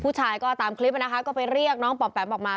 ผู้ชายก็ตามคลิปนะคะก็ไปเรียกน้องปอบแป๋มออกมา